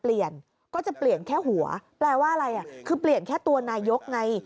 เปลี่ยนก็จะเปลี่ยนแค่หัวแปลว่าอะไรคือเปลี่ยนแค่ตัวนายกไง